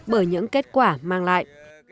bởi những kết quả mang lại